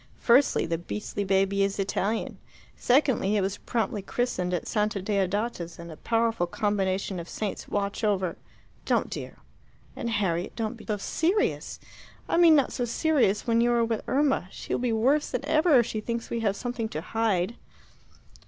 Firstly, the beastly baby is Italian. Secondly, it was promptly christened at Santa Deodata's, and a powerful combination of saints watch over " "Don't, dear. And, Harriet, don't be so serious I mean not so serious when you are with Irma. She will be worse than ever if she thinks we have something to hide."